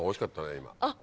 今。